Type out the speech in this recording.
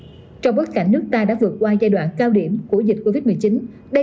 tiêm chủng mở rộng trong bất cảnh nước ta đã vượt qua giai đoạn cao điểm của dịch covid một mươi chín đây